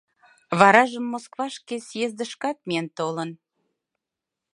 Варажым Москвашке съездышкат миен толын.